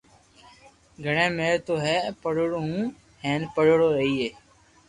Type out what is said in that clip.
گڻي مي تو ھي ڀريوڙو ھو ھين ڀريوڙو رھئي